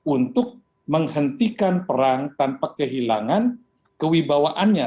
untuk menghentikan perang tanpa kehilangan kewibawaannya